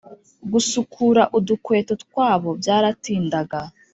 gusukura udukweto twabo byaratindaga